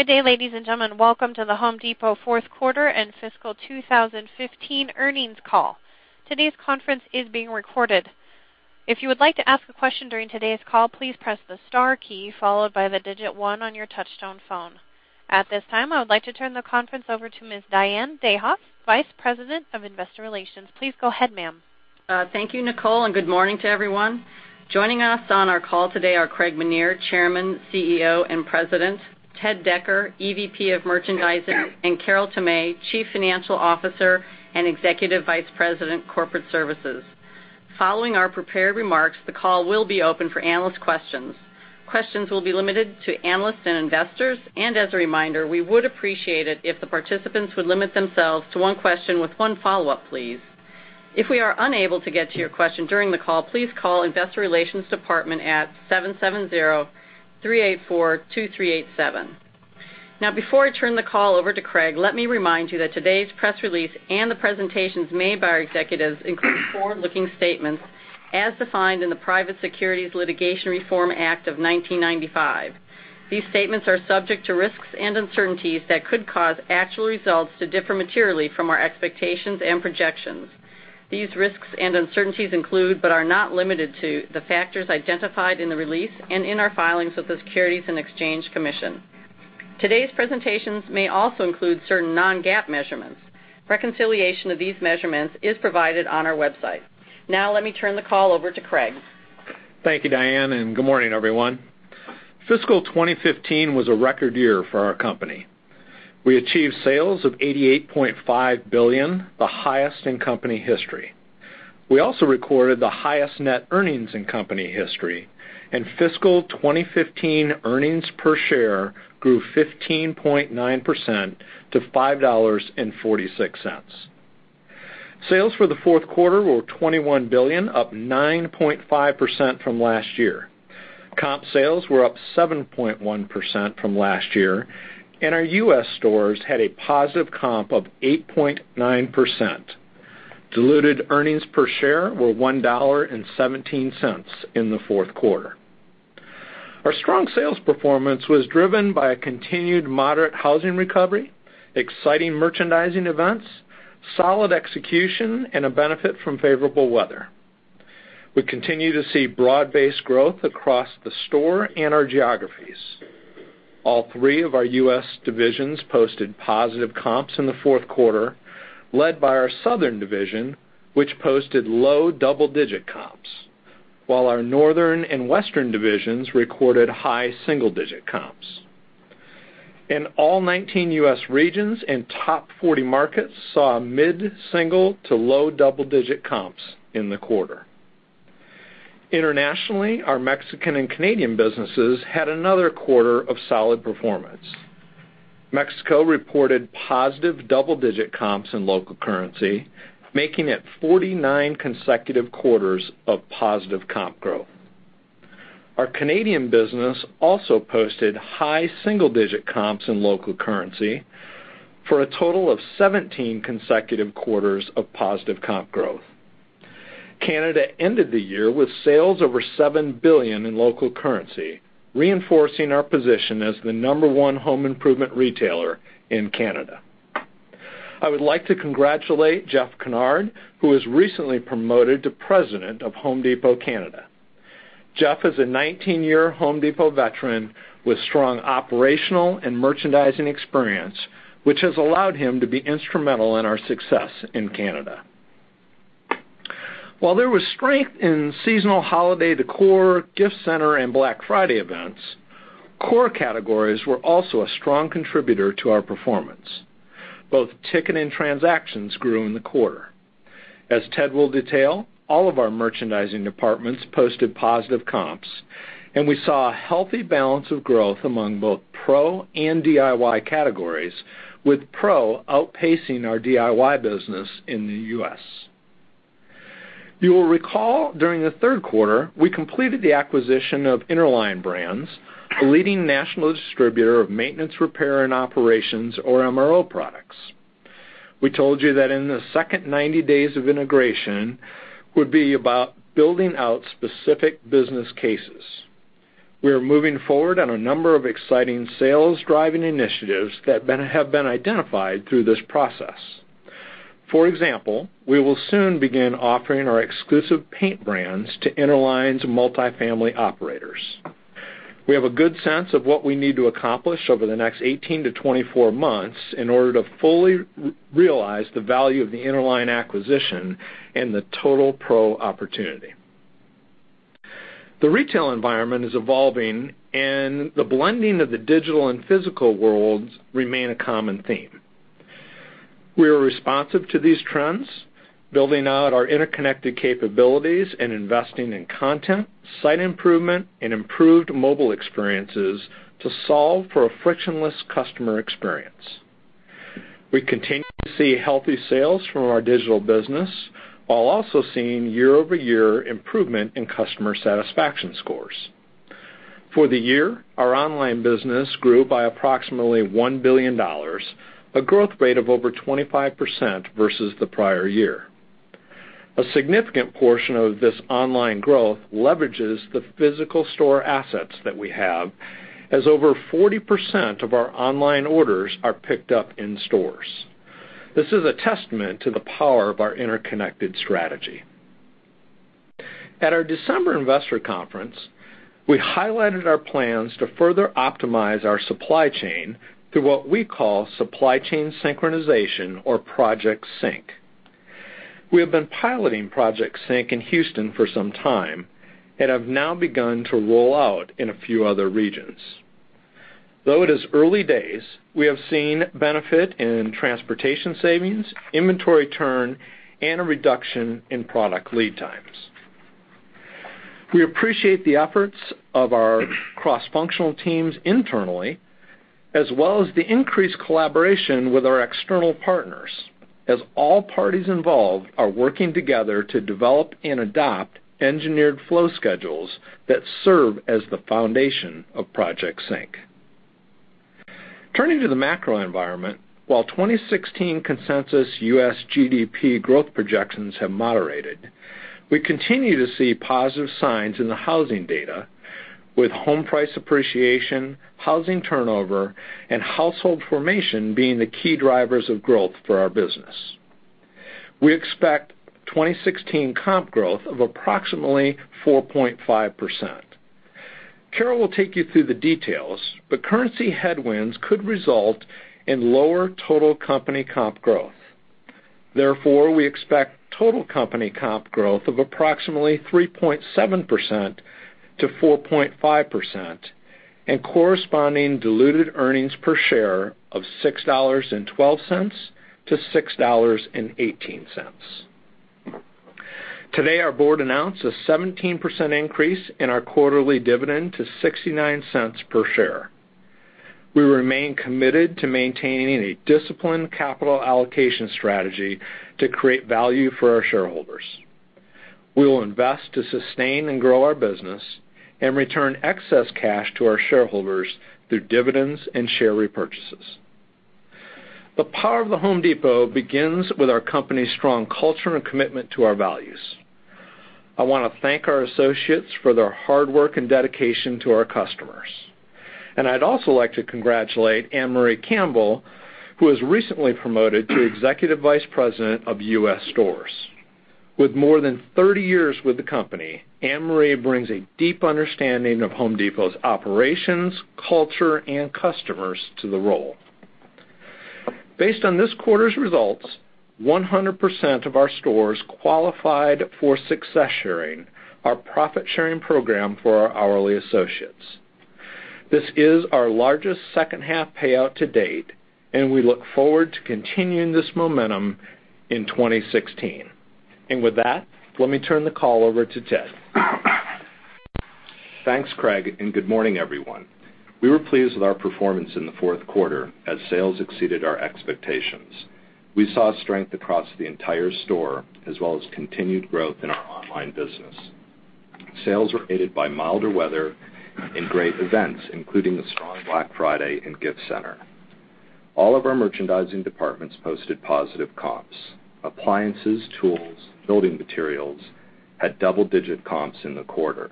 Good day, ladies and gentlemen. Welcome to The Home Depot fourth quarter and fiscal 2015 earnings call. Today's conference is being recorded. If you would like to ask a question during today's call, please press the star key followed by the digit one on your touchtone phone. At this time, I would like to turn the conference over to Ms. Diane Dayhoff, Vice President of Investor Relations. Please go ahead, ma'am. Thank you, Nicole, and good morning to everyone. Joining us on our call today are Craig Menear, Chairman, CEO, and President, Ted Decker, EVP of Merchandising, and Carol Tomé, Chief Financial Officer and Executive Vice President, Corporate Services. Following our prepared remarks, the call will be open for analyst questions. Questions will be limited to analysts and investors. As a reminder, we would appreciate it if the participants would limit themselves to one question with one follow-up, please. If we are unable to get to your question during the call, please call Investor Relations Department at 770-384-2387. Before I turn the call over to Craig, let me remind you that today's press release and the presentations made by our executives include forward-looking statements as defined in the Private Securities Litigation Reform Act of 1995. These statements are subject to risks and uncertainties that could cause actual results to differ materially from our expectations and projections. These risks and uncertainties include, but are not limited to, the factors identified in the release and in our filings with the Securities and Exchange Commission. Today's presentations may also include certain non-GAAP measurements. Reconciliation of these measurements is provided on our website. Let me turn the call over to Craig. Thank you, Diane, and good morning, everyone. Fiscal 2015 was a record year for our company. We achieved sales of $88.5 billion, the highest in company history. We also recorded the highest net earnings in company history, and fiscal 2015 earnings per share grew 15.9% to $5.46. Sales for the fourth quarter were $21 billion, up 9.5% from last year. Comp sales were up 7.1% from last year, and our U.S. stores had a positive comp of 8.9%. Diluted earnings per share were $1.17 in the fourth quarter. Our strong sales performance was driven by a continued moderate housing recovery, exciting merchandising events, solid execution, and a benefit from favorable weather. We continue to see broad-based growth across the store and our geographies. All three of our U.S. divisions posted positive comps in the fourth quarter, led by our Southern division, which posted low double-digit comps, while our Northern and Western divisions recorded high single-digit comps. In all, 19 U.S. regions and top 40 markets saw mid-single to low double-digit comps in the quarter. Internationally, our Mexican and Canadian businesses had another quarter of solid performance. Mexico reported positive double-digit comps in local currency, making it 49 consecutive quarters of positive comp growth. Our Canadian business also posted high single-digit comps in local currency for a total of 17 consecutive quarters of positive comp growth. Canada ended the year with sales over 7 billion in local currency, reinforcing our position as the number one home improvement retailer in Canada. I would like to congratulate Jeff Kinnaird, who was recently promoted to President of Home Depot Canada. Jeff is a 19-year Home Depot veteran with strong operational and merchandising experience, which has allowed him to be instrumental in our success in Canada. While there was strength in seasonal holiday decor, gift center, and Black Friday events, core categories were also a strong contributor to our performance. Both ticket and transactions grew in the quarter. As Ted will detail, all of our merchandising departments posted positive comps, and we saw a healthy balance of growth among both pro and DIY categories, with pro outpacing our DIY business in the U.S. You will recall during the third quarter, we completed the acquisition of Interline Brands, a leading national distributor of maintenance, repair, and operations, or MRO products. We told you that in the second 90 days of integration would be about building out specific business cases. We are moving forward on a number of exciting sales-driving initiatives that have been identified through this process. For example, we will soon begin offering our exclusive paint brands to Interline's multifamily operators. We have a good sense of what we need to accomplish over the next 18 to 24 months in order to fully realize the value of the Interline acquisition and the total pro opportunity. The retail environment is evolving, and the blending of the digital and physical worlds remain a common theme. We are responsive to these trends, building out our interconnected capabilities and investing in content, site improvement, and improved mobile experiences to solve for a frictionless customer experience. We continue to see healthy sales from our digital business, while also seeing year-over-year improvement in customer satisfaction scores. For the year, our online business grew by approximately $1 billion, a growth rate of over 25% versus the prior year. A significant portion of this online growth leverages the physical store assets that we have, as over 40% of our online orders are picked up in stores. This is a testament to the power of our interconnected strategy. At our December investor conference, we highlighted our plans to further optimize our supply chain through what we call supply chain synchronization, or Project Sync. We have been piloting Project Sync in Houston for some time and have now begun to roll out in a few other regions. Though it is early days, we have seen benefit in transportation savings, inventory turn, and a reduction in product lead times. We appreciate the efforts of our cross-functional teams internally, as well as the increased collaboration with our external partners, as all parties involved are working together to develop and adopt engineered flow schedules that serve as the foundation of Project Sync. Turning to the macro environment, while 2016 consensus U.S. GDP growth projections have moderated, we continue to see positive signs in the housing data, with home price appreciation, housing turnover, and household formation being the key drivers of growth for our business. We expect 2016 comp growth of approximately 4.5%. Carol will take you through the details. Currency headwinds could result in lower total company comp growth. Therefore, we expect total company comp growth of approximately 3.7%-4.5%, and corresponding diluted earnings per share of $6.12-$6.18. Today, our board announced a 17% increase in our quarterly dividend to $0.69 per share. We remain committed to maintaining a disciplined capital allocation strategy to create value for our shareholders. We will invest to sustain and grow our business and return excess cash to our shareholders through dividends and share repurchases. The power of The Home Depot begins with our company's strong culture and commitment to our values. I want to thank our associates for their hard work and dedication to our customers. I'd also like to congratulate Ann-Marie Campbell, who was recently promoted to Executive Vice President of U.S. Stores. With more than 30 years with the company, Ann-Marie brings a deep understanding of The Home Depot's operations, culture, and customers to the role. Based on this quarter's results, 100% of our stores qualified for success sharing, our profit-sharing program for our hourly associates. This is our largest second-half payout to date, and we look forward to continuing this momentum in 2016. With that, let me turn the call over to Ted. Thanks, Craig, and good morning, everyone. We were pleased with our performance in the fourth quarter as sales exceeded our expectations. We saw strength across the entire store, as well as continued growth in our online business. Sales were aided by milder weather and great events, including a strong Black Friday and gift center. All of our merchandising departments posted positive comps. Appliances, tools, building materials had double-digit comps in the quarter.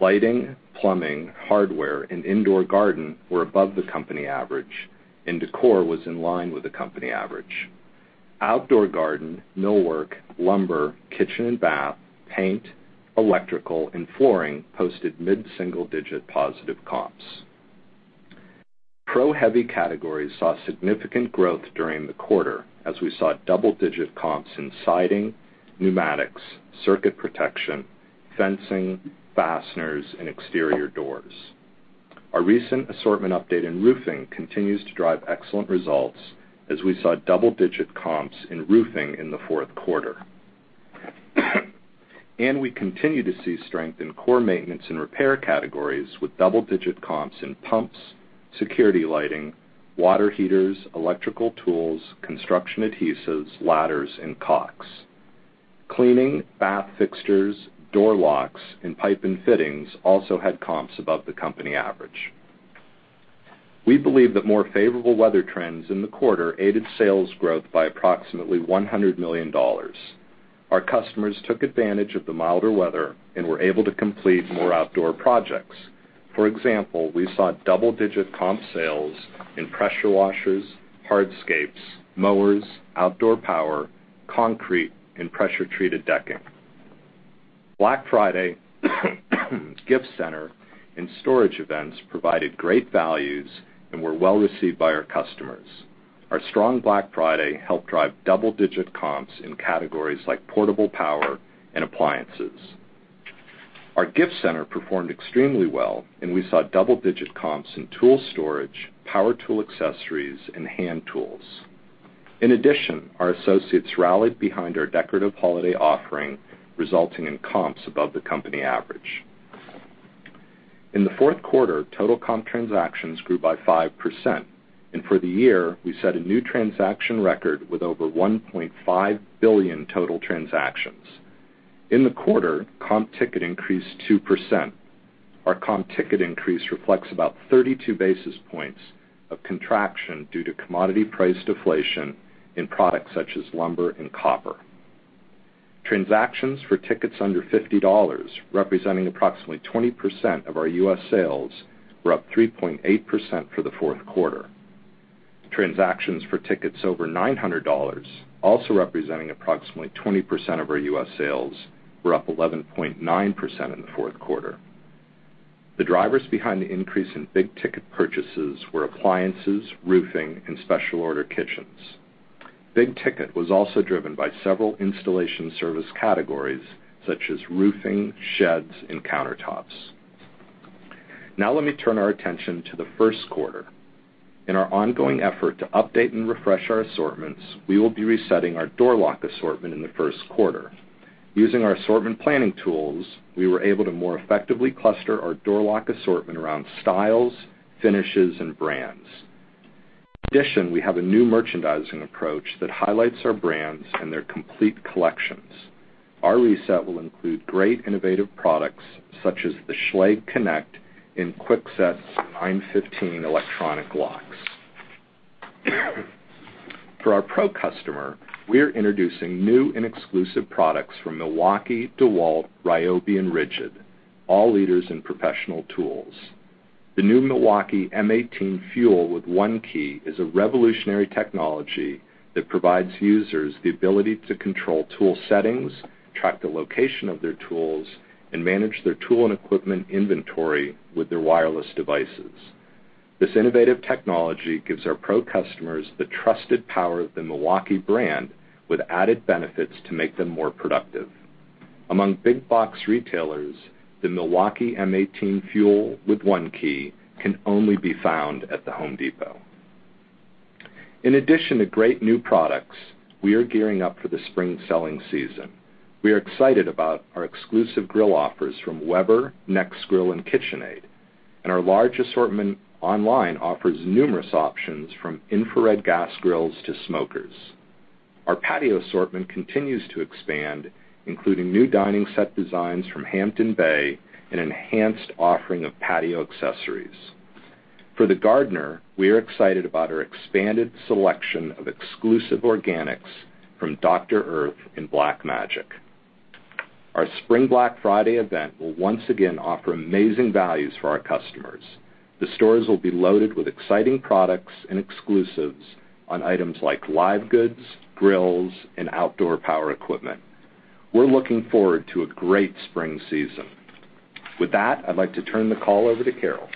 Lighting, plumbing, hardware, and indoor garden were above the company average, and decor was in line with the company average. Outdoor garden, millwork, lumber, kitchen and bath, paint, electrical, and flooring posted mid-single-digit positive comps. Pro heavy categories saw significant growth during the quarter, as we saw double-digit comps in siding, pneumatics, circuit protection, fencing, fasteners, and exterior doors. Our recent assortment update in roofing continues to drive excellent results as we saw double-digit comps in roofing in the fourth quarter. We continue to see strength in core maintenance and repair categories, with double-digit comps in pumps, security lighting, water heaters, electrical tools, construction adhesives, ladders, and caulk. Cleaning, bath fixtures, door locks, and pipe and fittings also had comps above the company average. We believe that more favorable weather trends in the quarter aided sales growth by approximately $100 million. Our customers took advantage of the milder weather and were able to complete more outdoor projects. For example, we saw double-digit comp sales in pressure washers, hardscapes, mowers, outdoor power, concrete, and pressure-treated decking. Black Friday, gift center, and storage events provided great values and were well received by our customers. Our strong Black Friday helped drive double-digit comps in categories like portable power and appliances. Our gift center performed extremely well, and we saw double-digit comps in tool storage, power tool accessories, and hand tools. In addition, our associates rallied behind our decorative holiday offering, resulting in comps above the company average. In the fourth quarter, total comp transactions grew by 5%, and for the year, we set a new transaction record with over 1.5 billion total transactions. In the quarter, comp ticket increased 2%. Our comp ticket increase reflects about 32 basis points of contraction due to commodity price deflation in products such as lumber and copper. Transactions for tickets under $50, representing approximately 20% of our U.S. sales, were up 3.8% for the fourth quarter. Transactions for tickets over $900, also representing approximately 20% of our U.S. sales, were up 11.9% in the fourth quarter. The drivers behind the increase in big-ticket purchases were appliances, roofing, and special order kitchens. Big ticket was also driven by several installation service categories, such as roofing, sheds, and countertops. Now let me turn our attention to the first quarter. In our ongoing effort to update and refresh our assortments, we will be resetting our door lock assortment in the first quarter. Using our assortment planning tools, we were able to more effectively cluster our door lock assortment around styles, finishes, and brands. In addition, we have a new merchandising approach that highlights our brands and their complete collections. Our reset will include great innovative products such as the Schlage Connect and Kwikset 915 electronic locks. For our pro customer, we are introducing new and exclusive products from Milwaukee, DeWalt, RYOBI, and RIDGID, all leaders in professional tools. The new Milwaukee M18 FUEL with ONE-KEY is a revolutionary technology that provides users the ability to control tool settings, track the location of their tools, and manage their tool and equipment inventory with their wireless devices. This innovative technology gives our pro customers the trusted power of the Milwaukee brand with added benefits to make them more productive. Among big box retailers, the Milwaukee M18 FUEL with ONE-KEY can only be found at The Home Depot. In addition to great new products, we are gearing up for the spring selling season. We are excited about our exclusive grill offers from Weber, Nexgrill, and KitchenAid, and our large assortment online offers numerous options from infrared gas grills to smokers. Our patio assortment continues to expand, including new dining set designs from Hampton Bay and enhanced offering of patio accessories. For the gardener, we are excited about our expanded selection of exclusive organics from Dr. Earth and Black Magic. Our Spring Black Friday event will once again offer amazing values for our customers. The stores will be loaded with exciting products and exclusives on items like live goods, grills, and outdoor power equipment. We're looking forward to a great spring season. With that, I'd like to turn the call over to Carol.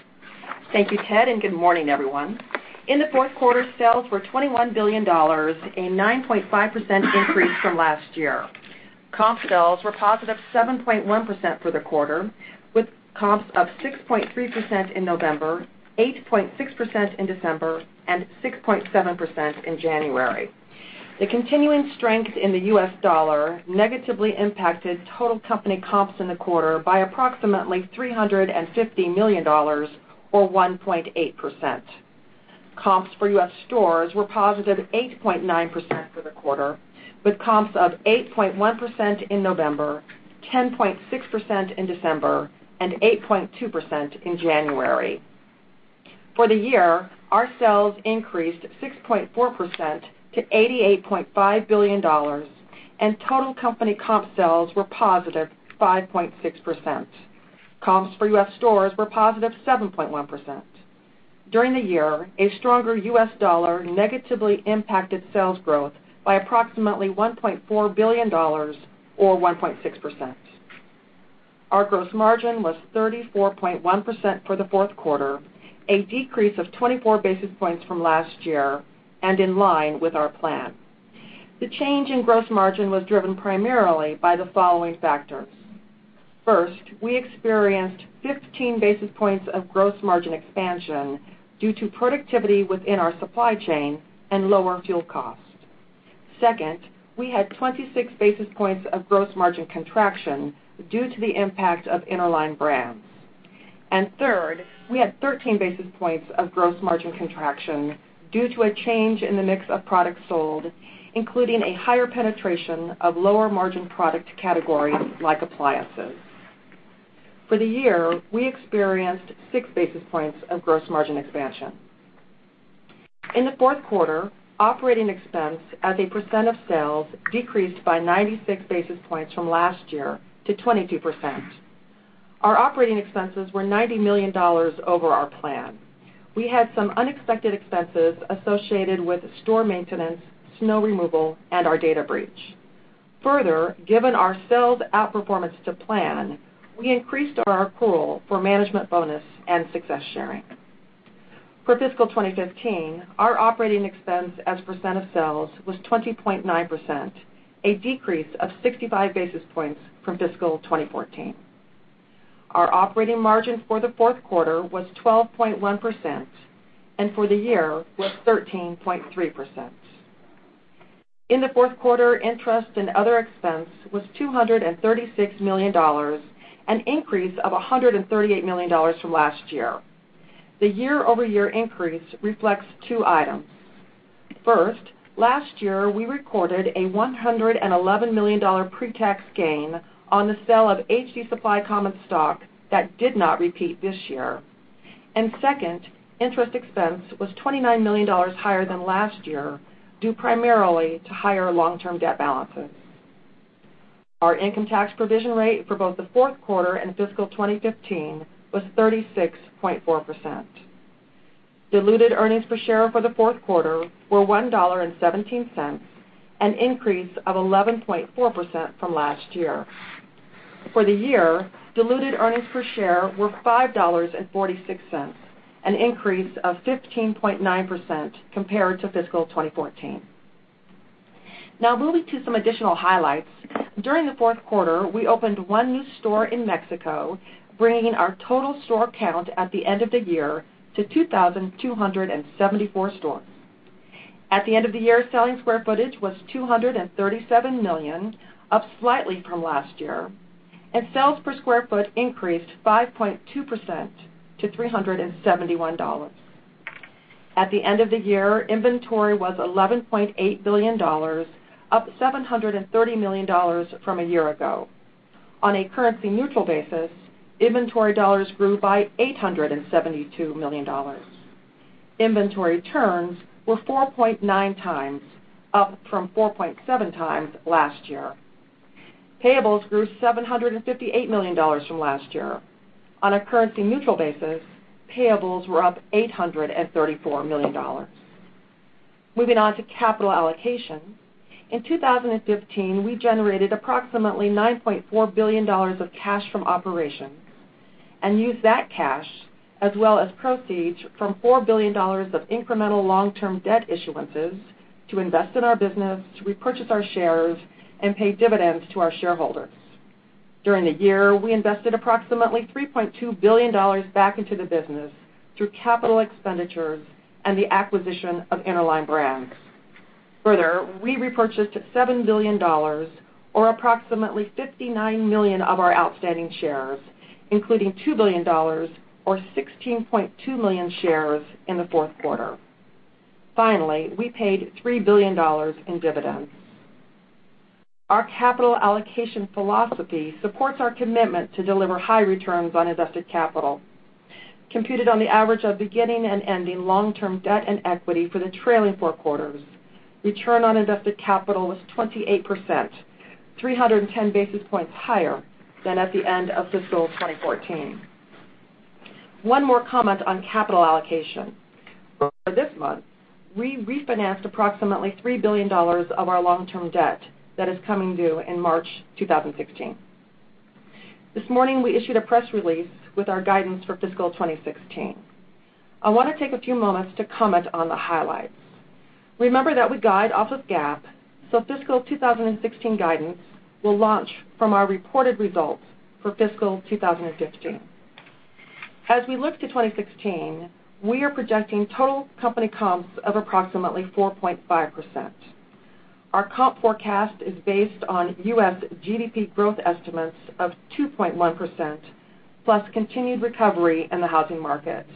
Thank you, Ted, good morning, everyone. In the fourth quarter, sales were $21 billion, a 9.5% increase from last year. Comp sales were positive 7.1% for the quarter, with comps up 6.3% in November, 8.6% in December, and 6.7% in January. The continuing strength in the U.S. dollar negatively impacted total company comps in the quarter by approximately $350 million or 1.8%. Comps for U.S. stores were positive 8.9% for the quarter, with comps of 8.1% in November, 10.6% in December, and 8.2% in January. For the year, our sales increased 6.4% to $88.5 billion, and total company comp sales were positive 5.6%. Comps for U.S. stores were positive 7.1%. During the year, a stronger U.S. dollar negatively impacted sales growth by approximately $1.4 billion or 1.6%. Our gross margin was 34.1% for the fourth quarter, a decrease of 24 basis points from last year and in line with our plan. The change in gross margin was driven primarily by the following factors. First, we experienced 15 basis points of gross margin expansion due to productivity within our supply chain and lower fuel cost. Second, we had 26 basis points of gross margin contraction due to the impact of Interline Brands. Third, we had 13 basis points of gross margin contraction due to a change in the mix of products sold, including a higher penetration of lower margin product categories like appliances. For the year, we experienced six basis points of gross margin expansion. In the fourth quarter, operating expense as a percent of sales decreased by 96 basis points from last year to 22%. Our operating expenses were $90 million over our plan. We had some unexpected expenses associated with store maintenance, snow removal, and our data breach. Further, given our sales outperformance to plan, we increased our pool for management bonus and success sharing. For fiscal 2015, our operating expense as a percent of sales was 20.9%, a decrease of 65 basis points from fiscal 2014. Our operating margin for the fourth quarter was 12.1% and for the year was 13.3%. In the fourth quarter, interest and other expense was $236 million, an increase of $138 million from last year. The year-over-year increase reflects two items. First, last year, we recorded a $111 million pre-tax gain on the sale of HD Supply common stock that did not repeat this year. Second, interest expense was $29 million higher than last year, due primarily to higher long-term debt balances. Our income tax provision rate for both the fourth quarter and fiscal 2015 was 36.4%. Diluted earnings per share for the fourth quarter were $1.17, an increase of 11.4% from last year. For the year, diluted earnings per share were $5.46, an increase of 15.9% compared to fiscal 2014. Moving to some additional highlights. During the fourth quarter, we opened one new store in Mexico, bringing our total store count at the end of the year to 2,274 stores. At the end of the year, selling square footage was 237 million, up slightly from last year, and sales per square foot increased 5.2% to $371. At the end of the year, inventory was $11.8 billion, up $730 million from a year ago. On a currency-neutral basis, inventory dollars grew by $872 million. Inventory turns were 4.9 times, up from 4.7 times last year. Payables grew $758 million from last year. On a currency-neutral basis, payables were up $834 million. Moving on to capital allocation. In 2015, we generated approximately $9.4 billion of cash from operations and used that cash, as well as proceeds from $4 billion of incremental long-term debt issuances, to invest in our business, to repurchase our shares, and pay dividends to our shareholders. During the year, we invested approximately $3.2 billion back into the business through capital expenditures and the acquisition of Interline Brands. We repurchased $7 billion or approximately 59 million of our outstanding shares, including $2 billion or 16.2 million shares in the fourth quarter. We paid $3 billion in dividends. Our capital allocation philosophy supports our commitment to deliver high returns on invested capital. Computed on the average of beginning and ending long-term debt and equity for the trailing four quarters, return on invested capital was 28%, 310 basis points higher than at the end of fiscal 2014. One more comment on capital allocation. For this month, we refinanced approximately $3 billion of our long-term debt that is coming due in March 2016. This morning, we issued a press release with our guidance for fiscal 2016. I want to take a few moments to comment on the highlights. Remember that we guide off of GAAP, so fiscal 2016 guidance will launch from our reported results for fiscal 2015. As we look to 2016, we are projecting total company comps of approximately 4.5%. Our comp forecast is based on U.S. GDP growth estimates of 2.1%, plus continued recovery in the housing market.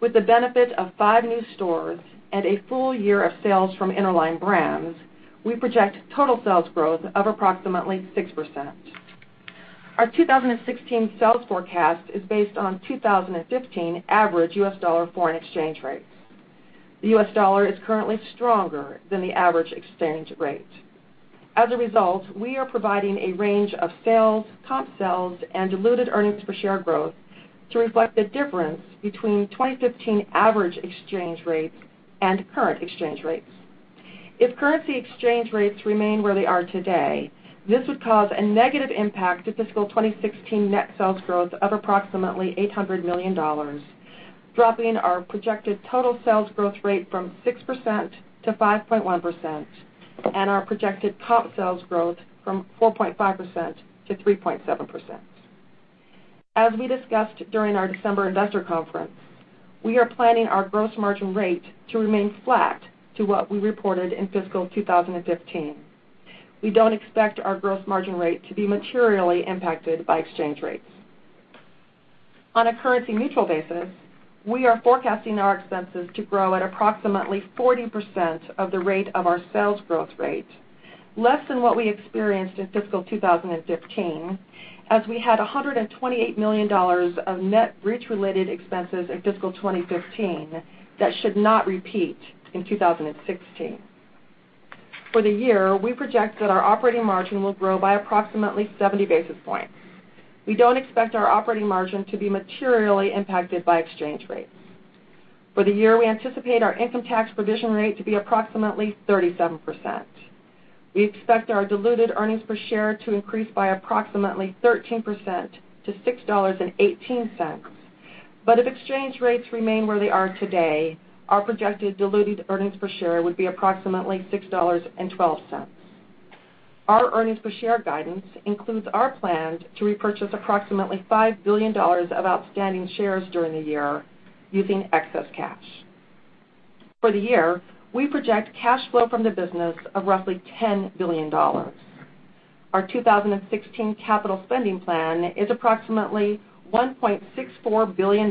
With the benefit of five new stores and a full year of sales from Interline Brands, we project total sales growth of approximately 6%. Our 2016 sales forecast is based on 2015 average U.S. dollar foreign exchange rates. The U.S. dollar is currently stronger than the average exchange rate. We are providing a range of sales, comp sales, and diluted earnings per share growth to reflect the difference between 2015 average exchange rates and current exchange rates. If currency exchange rates remain where they are today, this would cause a negative impact to fiscal 2016 net sales growth of approximately $800 million, dropping our projected total sales growth rate from 6% to 5.1% and our projected comp sales growth from 4.5% to 3.7%. As we discussed during our December investor conference, we are planning our gross margin rate to remain flat to what we reported in fiscal 2015. We don't expect our gross margin rate to be materially impacted by exchange rates. On a currency-neutral basis, we are forecasting our expenses to grow at approximately 40% of the rate of our sales growth rate, less than what we experienced in fiscal 2015, as we had $128 million of net breach-related expenses in fiscal 2015, that should not repeat in 2016. For the year, we project that our operating margin will grow by approximately 70 basis points. We don't expect our operating margin to be materially impacted by exchange rates. For the year, we anticipate our income tax provision rate to be approximately 37%. We expect our diluted earnings per share to increase by approximately 13% to $6.18. If exchange rates remain where they are today, our projected diluted earnings per share would be approximately $6.12. Our earnings per share guidance includes our plan to repurchase approximately $5 billion of outstanding shares during the year using excess cash. For the year, we project cash flow from the business of roughly $10 billion. Our 2016 capital spending plan is approximately $1.64 billion,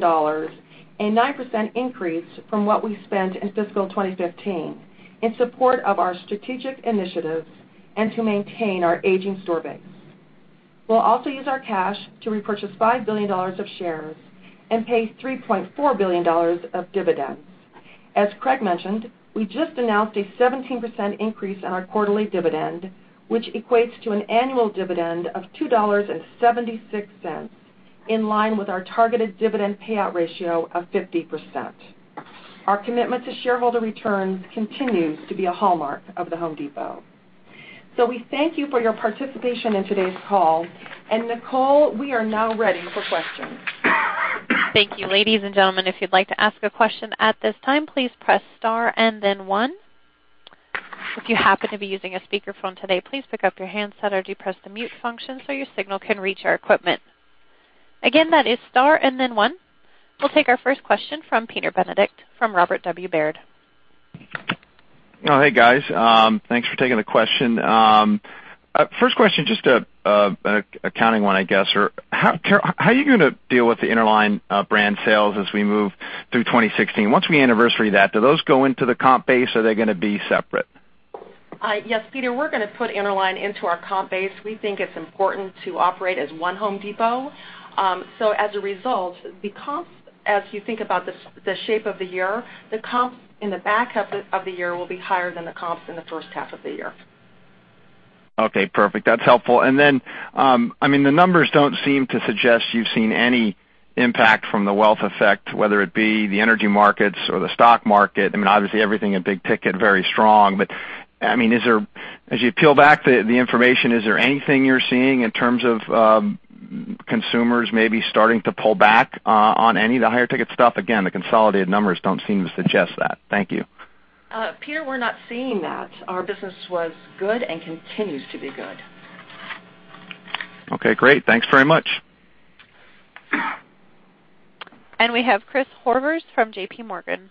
a 9% increase from what we spent in fiscal 2015, in support of our strategic initiatives and to maintain our aging store base. We'll also use our cash to repurchase $5 billion of shares and pay $3.4 billion of dividends. As Craig mentioned, we just announced a 17% increase in our quarterly dividend, which equates to an annual dividend of $2.76, in line with our targeted dividend payout ratio of 50%. Our commitment to shareholder returns continues to be a hallmark of The Home Depot. We thank you for your participation in today's call. Nicole, we are now ready for questions. Thank you. Ladies and gentlemen, if you'd like to ask a question at this time, please press star and then one. If you happen to be using a speakerphone today, please pick up your handset or depress the mute function so your signal can reach our equipment. Again, that is star and then one. We'll take our first question from Peter Benedict from Robert W. Baird. Hey, guys. Thanks for taking the question. First question, just an accounting one, I guess. Carol, how are you going to deal with the Interline Brands sales as we move through 2016? Once we anniversary that, do those go into the comp base, or are they going to be separate? Yes, Peter, we're going to put Interline Brands into our comp base. We think it's important to operate as one Home Depot. As a result, as you think about the shape of the year, the comps in the back half of the year will be higher than the comps in the first half of the year. Okay, perfect. That's helpful. Then, the numbers don't seem to suggest you've seen any impact from the wealth effect, whether it be the energy markets or the stock market. Obviously, everything in big ticket, very strong. As you peel back the information, is there anything you're seeing in terms of consumers maybe starting to pull back on any of the higher ticket stuff? Again, the consolidated numbers don't seem to suggest that. Thank you. Peter, we're not seeing that. Our business was good and continues to be good. Okay, great. Thanks very much. We have Chris Horvers from JPMorgan.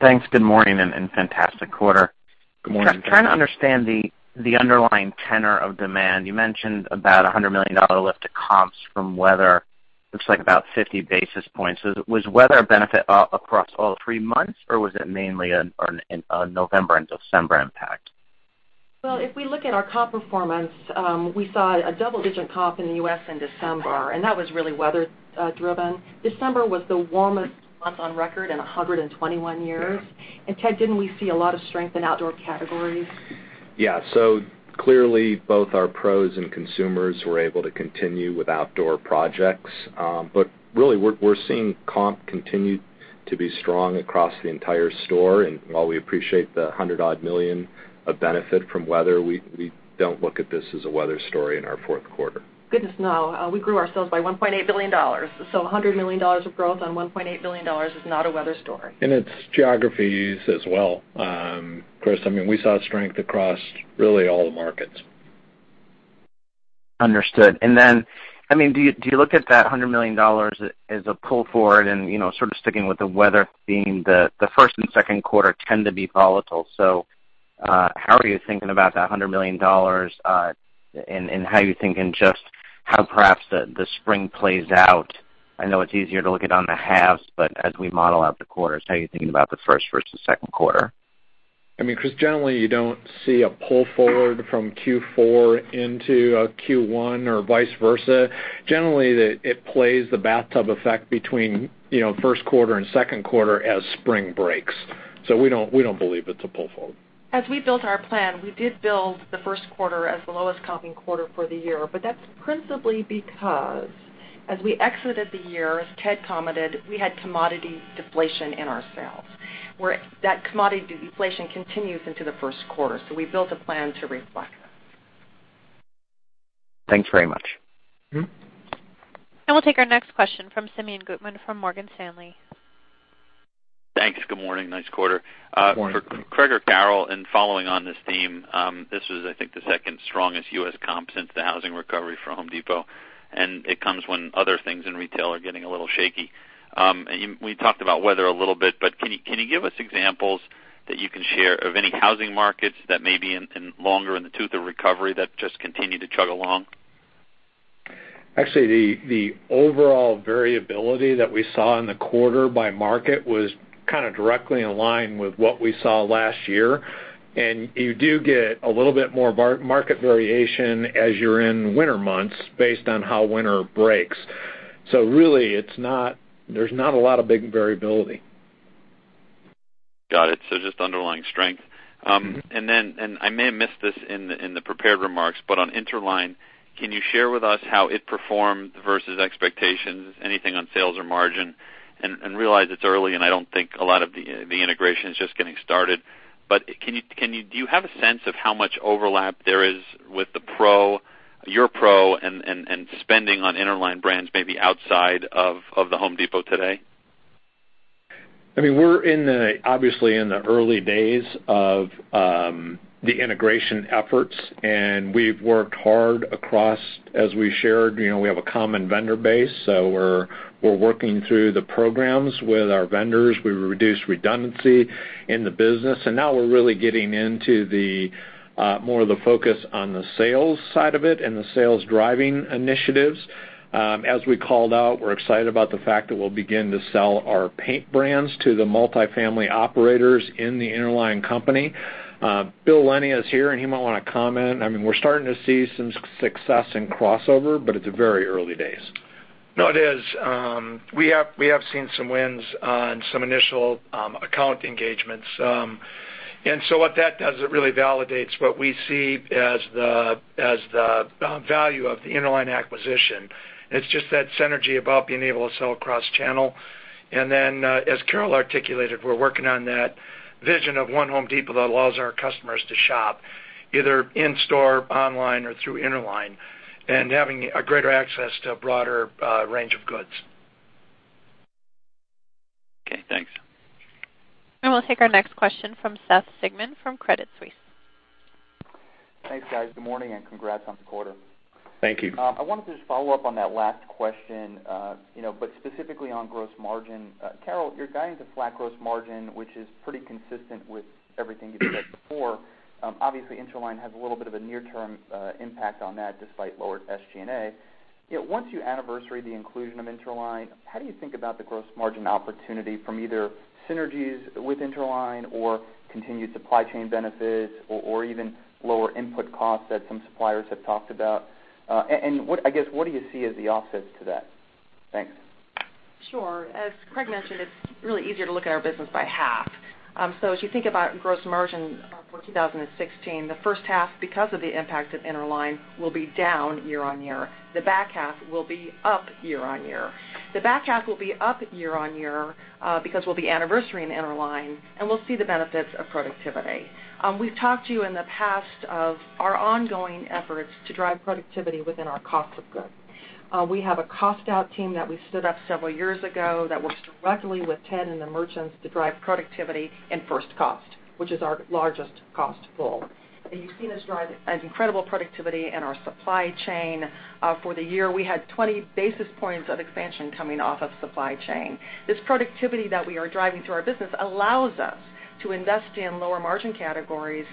Thanks. Good morning and fantastic quarter. Good morning. Trying to understand the underlying tenor of demand. You mentioned about $100 million lift to comps from weather. Looks like about 50 basis points. Was weather a benefit across all three months, or was it mainly a November and December impact? Well, if we look at our comp performance, we saw a double-digit comp in the U.S. in December, and that was really weather-driven. December was the warmest month on record in 121 years. Ted, didn't we see a lot of strength in outdoor categories? Yeah. Clearly, both our pros and consumers were able to continue with outdoor projects. Really, we're seeing comp continue to be strong across the entire store. While we appreciate the $100-odd million of benefit from weather, we don't look at this as a weather story in our fourth quarter. Goodness, no. We grew our sales by $1.8 billion. $100 million of growth on $1.8 billion is not a weather story. It's geographies as well. Chris, we saw strength across really all the markets. Understood. Do you look at that $100 million as a pull forward and, sort of sticking with the weather theme, the first and second quarter tend to be volatile. How are you thinking about that $100 million, and how are you thinking just how perhaps the spring plays out? I know it's easier to look at on the halves, but as we model out the quarters, how are you thinking about the first versus second quarter? Chris, generally, you don't see a pull forward from Q4 into a Q1 or vice versa. Generally, it plays the bathtub effect between first quarter and second quarter as spring breaks. We don't believe it's a pull forward. As we built our plan, we did build the first quarter as the lowest comping quarter for the year, but that's principally because as we exited the year, as Ted commented, we had commodity deflation in our sales. That commodity deflation continues into the first quarter, we built a plan to reflect that. Thanks very much. We'll take our next question from Simeon Gutman from Morgan Stanley. Thanks. Good morning. Nice quarter. Morning. For Craig or Carol, and following on this theme, this was, I think, the second strongest U.S. comp since the housing recovery for The Home Depot, and it comes when other things in retail are getting a little shaky. We talked about weather a little bit, but can you give us examples that you can share of any housing markets that may be longer in the tooth of recovery that just continue to chug along? Actually, the overall variability that we saw in the quarter by market was directly in line with what we saw last year. You do get a little bit more market variation as you're in winter months based on how winter breaks. Really, there's not a lot of big variability. Got it. Just underlying strength. Then, I may have missed this in the prepared remarks, on Interline, can you share with us how it performed versus expectations, anything on sales or margin? Realize it's early, I don't think a lot of the integration is just getting started, do you have a sense of how much overlap there is with your pro and spending on Interline Brands maybe outside of The Home Depot today? We're obviously in the early days of the integration efforts, we've worked hard across, as we shared, we have a common vendor base, we're working through the programs with our vendors. We reduced redundancy in the business, now we're really getting into more of the focus on the sales side of it and the sales-driving initiatives. As we called out, we're excited about the fact that we'll begin to sell our paint brands to the multi-family operators in the Interline Brands. Bill Lennie is here, he might want to comment. We're starting to see some success in crossover, it's very early days. No, it is. We have seen some wins on some initial account engagements. What that does, it really validates what we see as the value of the Interline acquisition. It's just that synergy about being able to sell cross-channel. As Carol articulated, we're working on that vision of one Home Depot that allows our customers to shop either in store, online, or through Interline, and having a greater access to a broader range of goods. Okay, thanks. We'll take our next question from Seth Sigman from Credit Suisse. Thanks, guys. Good morning, and congrats on the quarter. Thank you. Specifically on gross margin. Carol, you're guiding to flat gross margin, which is pretty consistent with everything you've said before. Obviously, Interline has a little bit of a near-term impact on that, despite lower SG&A. Once you anniversary the inclusion of Interline, how do you think about the gross margin opportunity from either synergies with Interline or continued supply chain benefits or even lower input costs that some suppliers have talked about? I guess, what do you see as the offsets to that? Thanks. Sure. As Craig mentioned, it's really easier to look at our business by half. As you think about gross margin for 2016, the first half, because of the impact of Interline, will be down year-on-year. The back half will be up year-on-year. The back half will be up year-on-year because we'll be anniversarying Interline, and we'll see the benefits of productivity. We've talked to you in the past of our ongoing efforts to drive productivity within our cost of goods. We have a cost-out team that we stood up several years ago that works directly with Ted and the merchants to drive productivity and first cost, which is our largest cost pull. You've seen us drive an incredible productivity in our supply chain. For the year, we had 20 basis points of expansion coming off of supply chain. This productivity that we are driving through our business allows us to invest in lower margin categories,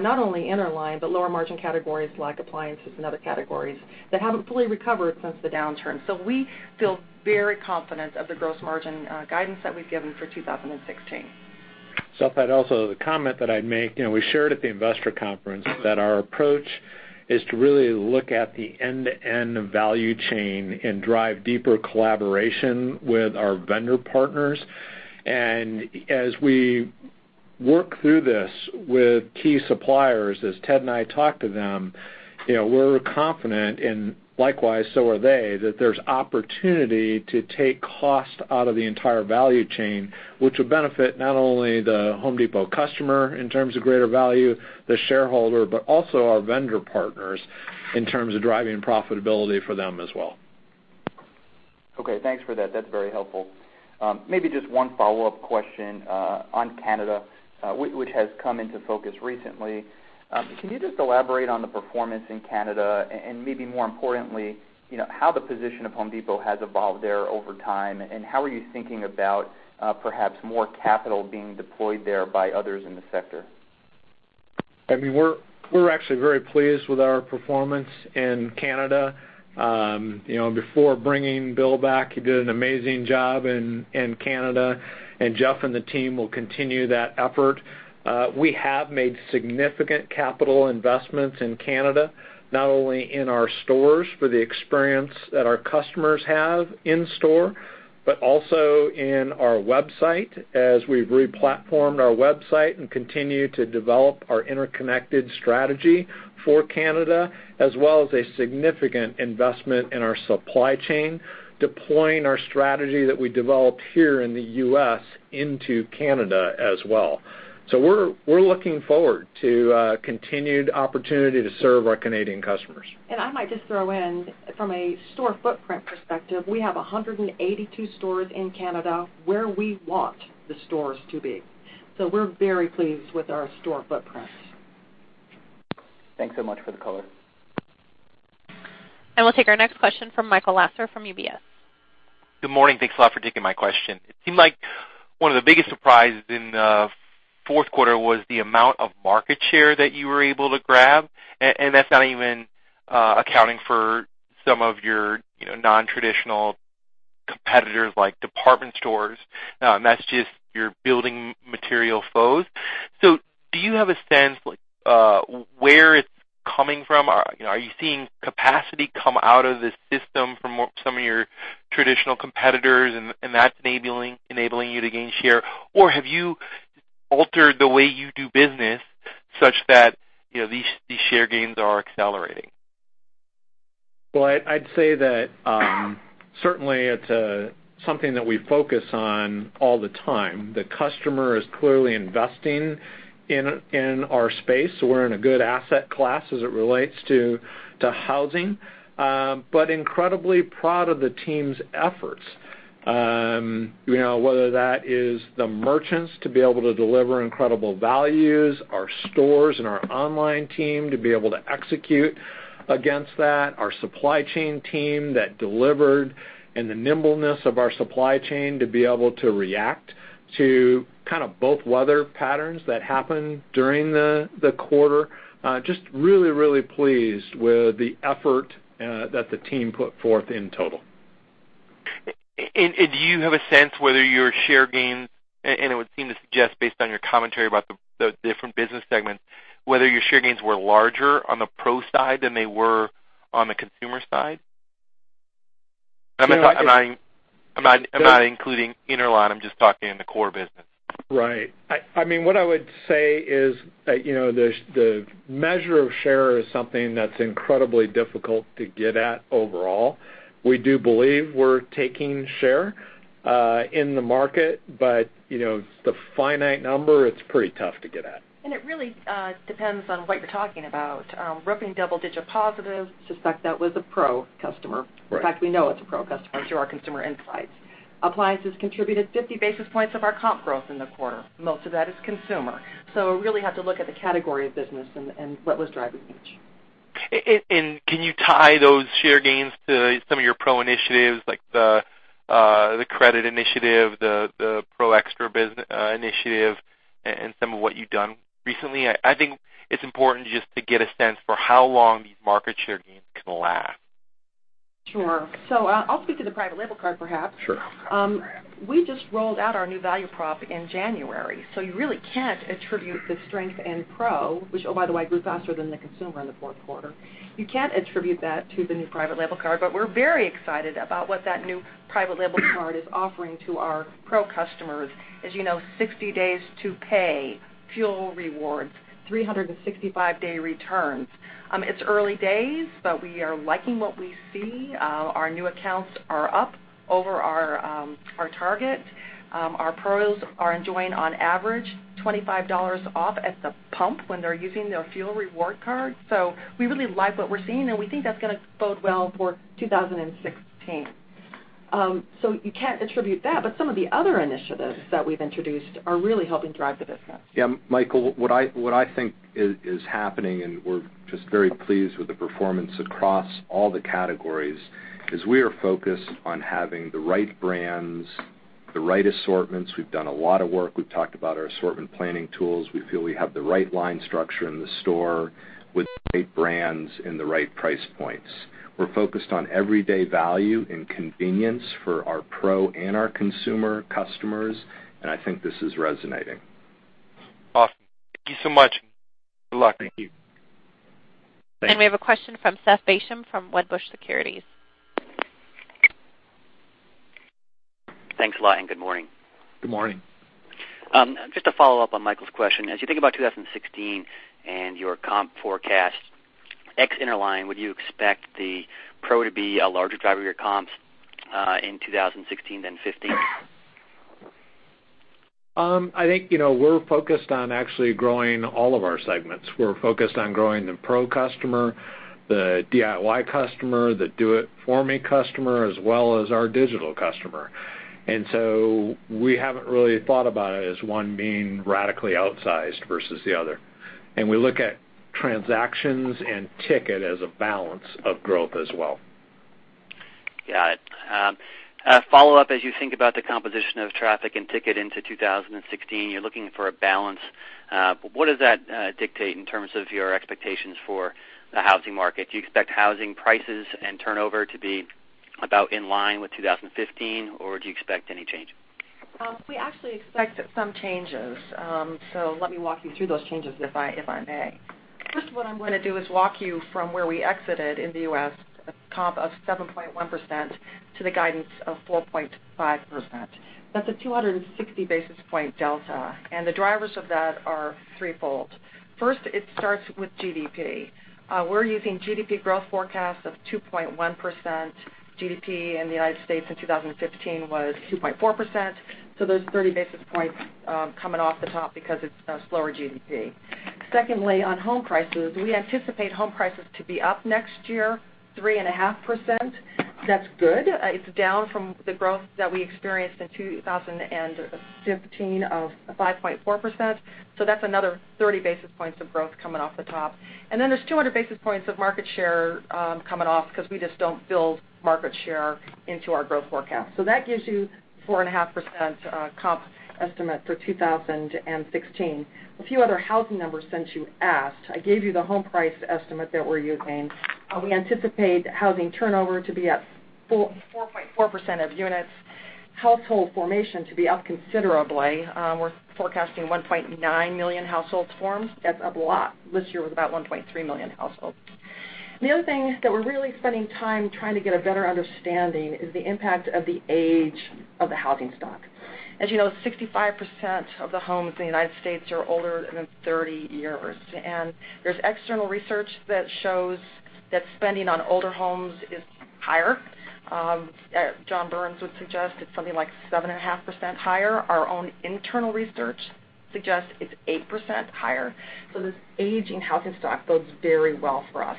not only Interline, but lower margin categories like appliances and other categories that haven't fully recovered since the downturn. We feel very confident of the gross margin guidance that we've given for 2016. Seth, I'd also the comment that I'd make, we shared at the investor conference that our approach is to really look at the end-to-end value chain and drive deeper collaboration with our vendor partners. As we work through this with key suppliers, as Ted and I talk to them, we're confident, and likewise, so are they, that there's opportunity to take cost out of the entire value chain, which will benefit not only The Home Depot customer in terms of greater value, the shareholder, but also our vendor partners in terms of driving profitability for them as well. Okay. Thanks for that. That's very helpful. Maybe just one follow-up question on Canada, which has come into focus recently. Can you just elaborate on the performance in Canada and maybe more importantly, how the position of The Home Depot has evolved there over time, and how are you thinking about perhaps more capital being deployed there by others in the sector? We're actually very pleased with our performance in Canada. Before bringing Bill back, he did an amazing job in Canada, and Jeff and the team will continue that effort. We have made significant capital investments in Canada, not only in our stores for the experience that our customers have in store, but also in our website as we've re-platformed our website and continue to develop our interconnected strategy for Canada, as well as a significant investment in our supply chain, deploying our strategy that we developed here in the U.S. into Canada as well. We're looking forward to a continued opportunity to serve our Canadian customers. I might just throw in from a store footprint perspective, we have 182 stores in Canada where we want the stores to be. We're very pleased with our store footprint. Thanks so much for the color. We'll take our next question from Michael Lasser from UBS. Good morning. Thanks a lot for taking my question. It seemed like one of the biggest surprises in the fourth quarter was the amount of market share that you were able to grab, and that's not even accounting for some of your non-traditional competitors like department stores. That's just your building material foes. Do you have a sense where it's coming from? Are you seeing capacity come out of the system from some of your traditional competitors and that's enabling you to gain share? Have you altered the way you do business such that these share gains are accelerating? Well, I'd say that certainly it's something that we focus on all the time. The customer is clearly investing in our space, so we're in a good asset class as it relates to housing. Incredibly proud of the team's efforts. Whether that is the merchants to be able to deliver incredible values, our stores and our online team to be able to execute against that, our supply chain team that delivered, the nimbleness of our supply chain to be able to react to both weather patterns that happened during the quarter. Just really, really pleased with the effort that the team put forth in total. Do you have a sense whether your share gains, and it would seem to suggest based on your commentary about the different business segments, whether your share gains were larger on the pro side than they were on the consumer side? I'm not including Interline, I'm just talking in the core business. Right. What I would say is the measure of share is something that's incredibly difficult to get at overall. We do believe we're taking share in the market, but the finite number, it's pretty tough to get at. It really depends on what you're talking about. Roofing double-digit positive, suspect that was a pro customer. Right. In fact, we know it's a pro customer through our customer insights. Appliances contributed 50 basis points of our comp growth in the quarter. Most of that is consumer. Really have to look at the category of business and what was driving each. Can you tie those share gains to some of your pro initiatives like the credit initiative, the Pro Xtra initiative, and some of what you've done recently? I think it's important just to get a sense for how long these market share gains can last. Sure. I'll speak to the private label card, perhaps. Sure. We just rolled out our new value prop in January. You really can't attribute the strength in pro, which, oh, by the way, grew faster than the consumer in the fourth quarter. You can't attribute that to the new private label card. We're very excited about what that new private label card is offering to our pro customers. As you know, 60 days to pay, fuel rewards, 365-day returns. It's early days, but we are liking what we see. Our new accounts are up over our target. Our pros are enjoying on average $25 off at the pump when they're using their fuel reward card. We really like what we're seeing, and we think that's going to bode well for 2016. You can't attribute that, but some of the other initiatives that we've introduced are really helping drive the business. Yeah, Michael, what I think is happening, and we're just very pleased with the performance across all the categories, is we are focused on having the right brands, the right assortments. We've done a lot of work. We've talked about our assortment planning tools. We feel we have the right line structure in the store with the right brands and the right price points. We're focused on everyday value and convenience for our pro and our consumer customers, and I think this is resonating. Awesome. Thank you so much. Good luck. Thank you. We have a question from Seth Basham from Wedbush Securities. Thanks a lot. Good morning. Good morning. Just to follow up on Michael Lasser's question, as you think about 2016 and your comp forecast, ex Interline, would you expect the pro to be a larger driver of your comps in 2016 than 2015? I think we're focused on actually growing all of our segments. We're focused on growing the pro customer, the DIY customer, the do-it-for-me customer, as well as our digital customer. We haven't really thought about it as one being radically outsized versus the other. We look at transactions and ticket as a balance of growth as well. Got it. A follow-up, as you think about the composition of traffic and ticket into 2016, you're looking for a balance, but what does that dictate in terms of your expectations for the housing market? Do you expect housing prices and turnover to be about in line with 2015, or do you expect any change? We actually expect some changes. Let me walk you through those changes, if I may. First, what I'm going to do is walk you from where we exited in the U.S., a comp of 7.1%, to the guidance of 4.5%. That's a 260 basis point delta. The drivers of that are threefold. First, it starts with GDP. We're using GDP growth forecast of 2.1%. GDP in the United States in 2015 was 2.4%, there's 30 basis points coming off the top because it's a slower GDP. Secondly, on home prices, we anticipate home prices to be up next year 3.5%. That's good. It's down from the growth that we experienced in 2015 of 5.4%. That's another 30 basis points of growth coming off the top. There's 200 basis points of market share coming off because we just don't build market share into our growth forecast. That gives you 4.5% comp estimate for 2016. A few other housing numbers since you asked. I gave you the home price estimate that we're using. We anticipate housing turnover to be at 4.4% of units, household formation to be up considerably. We're forecasting 1.9 million households formed. That's a lot. This year was about 1.3 million households. The other thing that we're really spending time trying to get a better understanding is the impact of the age of the housing stock. As you know, 65% of the homes in the United States are older than 30 years. There's external research that shows that spending on older homes is higher. John Burns would suggest it's something like 7.5% higher. Our own internal research suggests it's 8% higher. This aging housing stock bodes very well for us.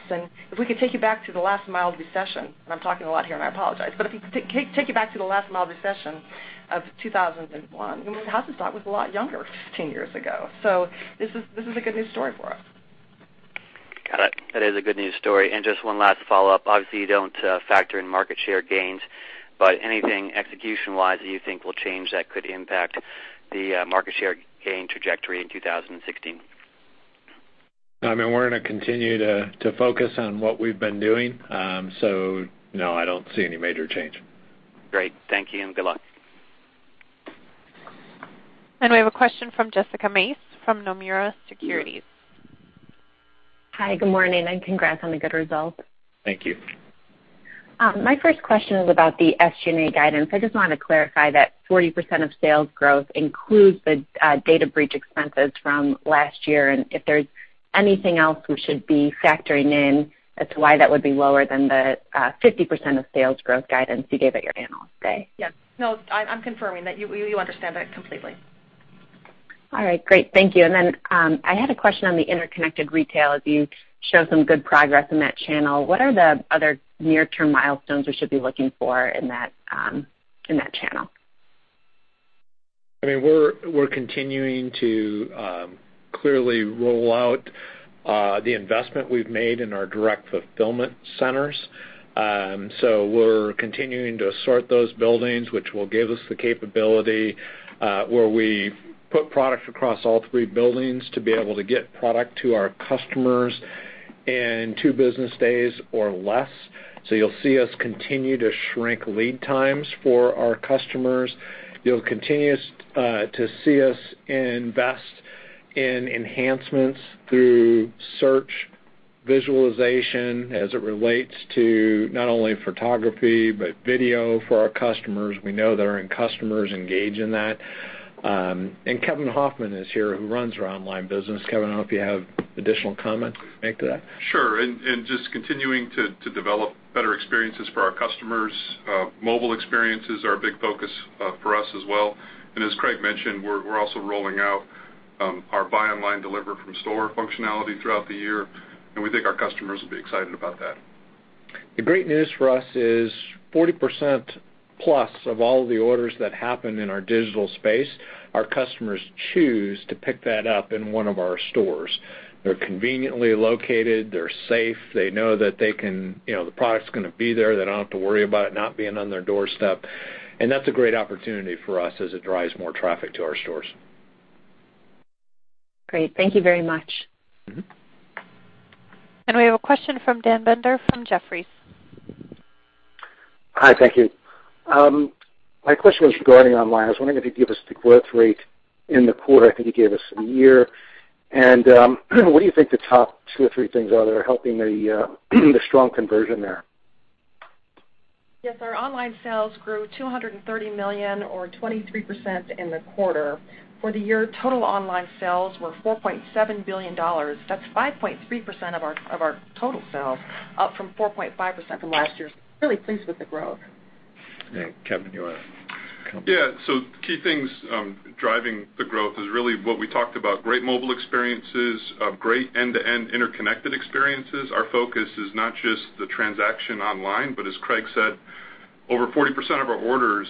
If we could take you back to the last mild recession, and I'm talking a lot here, and I apologize, but if we take you back to the last mild recession of 2001, the housing stock was a lot younger 15 years ago. This is a good news story for us. Got it. That is a good news story. Just one last follow-up. Obviously, you don't factor in market share gains, but anything execution-wise that you think will change that could impact the market share gain trajectory in 2016? I mean, we're going to continue to focus on what we've been doing. No, I don't see any major change. Great. Thank you, and good luck. We have a question from Jessica Mace from Nomura Securities. Hi, good morning, congrats on the good results. Thank you. My first question is about the SG&A guidance. I just wanted to clarify that 40% of sales growth includes the data breach expenses from last year. If there's anything else we should be factoring in as to why that would be lower than the 50% of sales growth guidance you gave at your analyst day. Yes. No, I'm confirming that you understand that completely. Great. Thank you. I had a question on the interconnected retail as you show some good progress in that channel. What are the other near-term milestones we should be looking for in that channel? I mean, we're continuing to clearly roll out the investment we've made in our direct fulfillment centers. We're continuing to assort those buildings, which will give us the capability where we put product across all three buildings to be able to get product to our customers in two business days or less. You'll see us continue to shrink lead times for our customers. You'll continue to see us invest in enhancements through search visualization as it relates to not only photography but video for our customers. We know that our end customers engage in that. Kevin Hofmann is here, who runs our online business. Kevin, I don't know if you have additional comment to make to that. Sure. Just continuing to develop better experiences for our customers. Mobile experiences are a big focus for us as well. As Craig mentioned, we're also rolling out our buy online, deliver from store functionality throughout the year, and we think our customers will be excited about that. The great news for us is 40% plus of all the orders that happen in our digital space, our customers choose to pick that up in one of our stores. They're conveniently located, they're safe. They know that the product's going to be there. They don't have to worry about it not being on their doorstep. That's a great opportunity for us as it drives more traffic to our stores. Great. Thank you very much. We have a question from Dan Binder from Jefferies. Hi. Thank you. My question was regarding online. I was wondering if you'd give us the growth rate in the quarter. I think you gave us some year. What do you think the top two or three things are that are helping the strong conversion there? Yes. Our online sales grew $230 million or 23% in the quarter. For the year, total online sales were $4.7 billion. That's 5.3% of our total sales, up from 4.5% from last year. Really pleased with the growth. Kevin, you want to comment? Key things driving the growth is really what we talked about, great mobile experiences, great end-to-end interconnected experiences. Our focus is not just the transaction online, but as Craig said, over 40% of our orders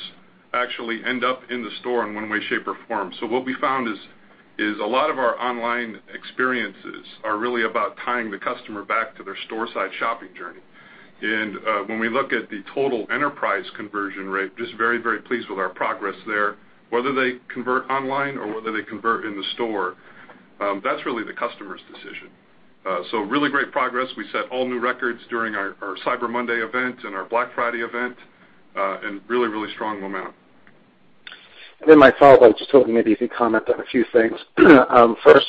actually end up in the store in one way, shape, or form. What we found is a lot of our online experiences are really about tying the customer back to their store-side shopping journey. When we look at the total enterprise conversion rate, just very pleased with our progress there. Whether they convert online or whether they convert in the store, that's really the customer's decision. Really great progress. We set all new records during our Cyber Monday event and our Black Friday event, really strong momentum. My follow-up, I was just hoping maybe if you'd comment on a few things. First,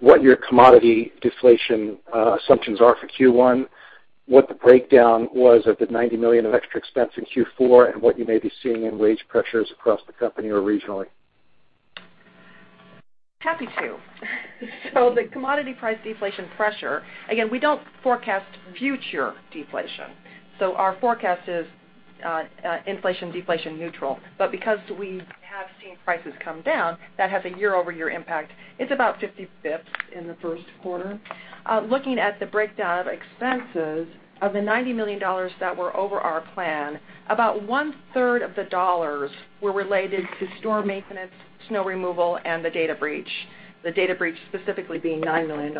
what your commodity deflation assumptions are for Q1, what the breakdown was of the $90 million of extra expense in Q4, and what you may be seeing in wage pressures across the company or regionally. Happy to. The commodity price deflation pressure, again, we don't forecast future deflation. Our forecast is inflation deflation neutral. Because we have seen prices come down, that has a year-over-year impact. It's about 50 basis points in the first quarter. Looking at the breakdown of expenses, of the $90 million that were over our plan, about one-third of the dollars were related to store maintenance, snow removal, and the data breach. The data breach specifically being $9 million.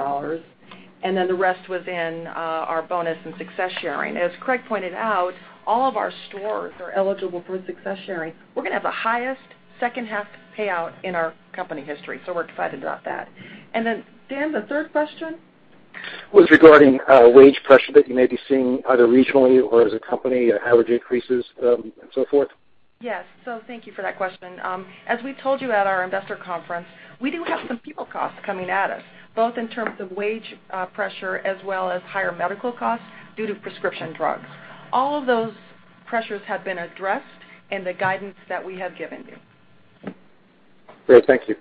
The rest was in our bonus and success sharing. As Craig pointed out, all of our stores are eligible for success sharing. We're going to have the highest second half payout in our company history, so we're excited about that. Dan, the third question? Was regarding wage pressure that you may be seeing either regionally or as a company, average increases, and so forth. Yes. Thank you for that question. As we told you at our investor conference, we do have some people costs coming at us, both in terms of wage pressure as well as higher medical costs due to prescription drugs. All of those pressures have been addressed in the guidance that we have given you. Great. Thank you.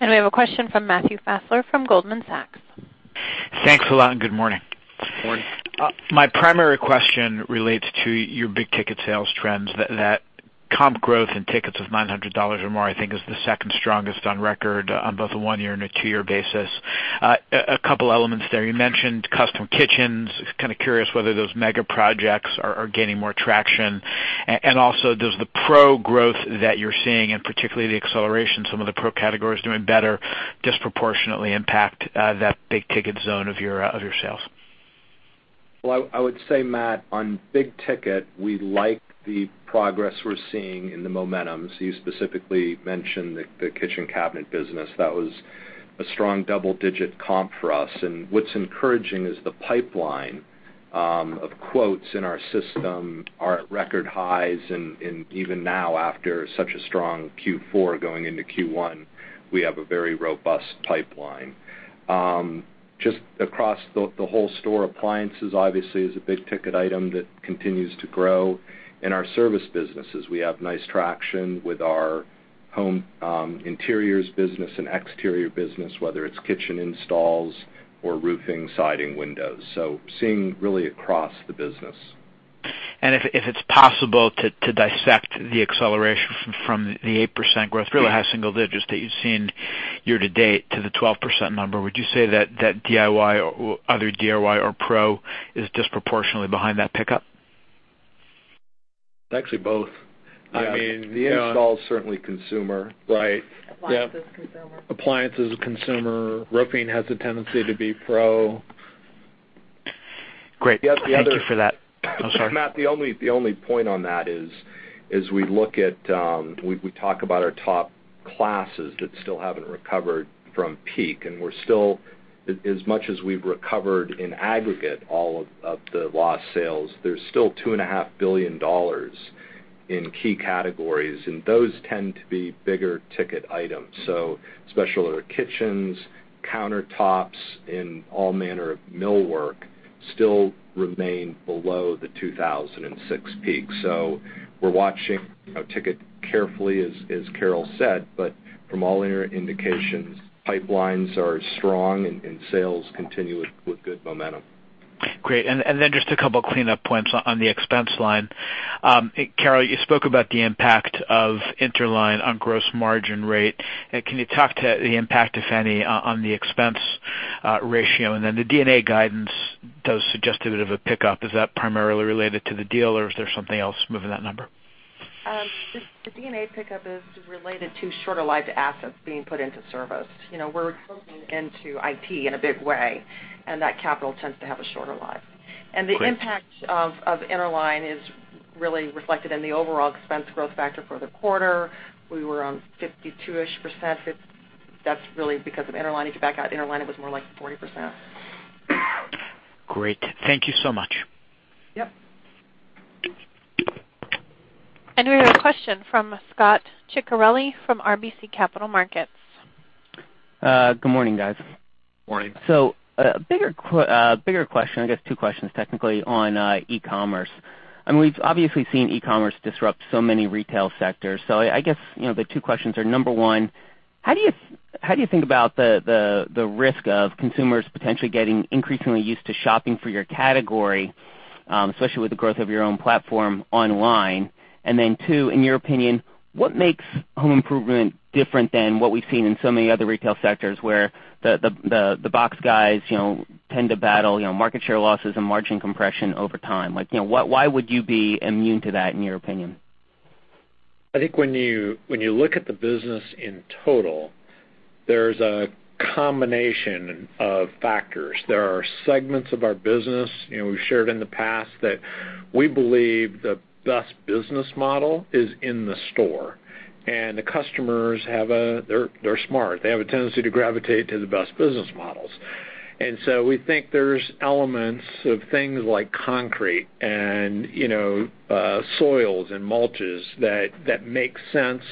We have a question from Matthew Fassler from Goldman Sachs. Thanks a lot, good morning. Good morning. My primary question relates to your big-ticket sales trends. That comp growth in tickets of $900 or more, I think is the second strongest on record on both a one-year and a two-year basis. A couple of elements there. You mentioned custom kitchens. Kind of curious whether those mega projects are gaining more traction. Also, does the pro growth that you're seeing, and particularly the acceleration, some of the pro categories doing better disproportionately impact that big ticket zone of your sales? Well, I would say, Matt, on big ticket, we like the progress we're seeing in the momentum. You specifically mentioned the kitchen cabinet business. That was a strong double-digit comp for us. What's encouraging is the pipeline of quotes in our system are at record highs. Even now, after such a strong Q4 going into Q1, we have a very robust pipeline. Just across the whole store, appliances obviously is a big ticket item that continues to grow. In our service businesses, we have nice traction with our home interiors business and exterior business, whether it's kitchen installs or roofing, siding, windows. Seeing really across the business. If it's possible to dissect the acceleration from the 8% growth, really high single digits that you've seen year-to-date, to the 12% number, would you say that DIY or other DIY or pro is disproportionately behind that pickup? It's actually both. The install is certainly consumer. Right. Appliances is consumer. Appliances is consumer. Roofing has a tendency to be pro. Great. Thank you for that. Sorry. Matt, the only point on that is we talk about our top classes that still haven't recovered from peak. As much as we've recovered in aggregate, all of the lost sales, there's still $2.5 billion in key categories, and those tend to be bigger ticket items. Especially our kitchens, countertops and all manner of millwork still remain below the 2006 peak. We're watching our ticket carefully, as Carol said. From all indications, pipelines are strong and sales continue with good momentum. Great. Just a couple clean-up points on the expense line. Carol, you spoke about the impact of Interline on gross margin rate. Can you talk to the impact, if any, on the expense ratio? The D&A guidance does suggest a bit of a pickup. Is that primarily related to the deal, or is there something else moving that number? The D&A pickup is related to shorter life assets being put into service. We're coding into IT in a big way, and that capital tends to have a shorter life. Great. The impact of Interline is really reflected in the overall expense growth factor for the quarter. We were on 52-ish%. That's really because of Interline. If you back out Interline, it was more like 40%. Great. Thank you so much. Yep. We have a question from Scot Ciccarelli from RBC Capital Markets. Good morning, guys. Morning. A bigger question, I guess two questions technically, on e-commerce. We've obviously seen e-commerce disrupt so many retail sectors. I guess, the 2 questions are, number 1, how do you think about the risk of consumers potentially getting increasingly used to shopping for your category, especially with the growth of your own platform online? 2, in your opinion, what makes home improvement different than what we've seen in so many other retail sectors where the box guys tend to battle market share losses and margin compression over time? Why would you be immune to that, in your opinion? I think when you look at the business in total, there's a combination of factors. There are segments of our business. We've shared in the past that we believe the best business model is in the store, and the customers, they're smart. They have a tendency to gravitate to the best business models. We think there's elements of things like concrete and soils and mulches that make sense,